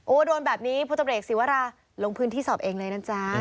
อู๋โดนแบบนี้พลตำรวจเอกศีวรารังศีพรามณกุลลงพื้นที่สอบเองเลยนะจ๊ะ